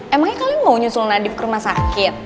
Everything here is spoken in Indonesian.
emangnya kalian mau nyusul nadief ke rumah sakit